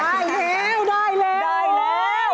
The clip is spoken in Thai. ได้แล้วได้แล้ว